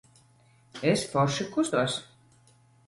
Es forši kustos.